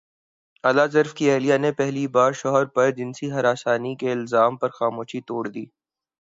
علی ظفر کی اہلیہ نے پہلی بار شوہر پرجنسی ہراسانی کے الزام پر خاموشی توڑ دی